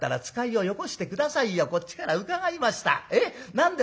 何ですか？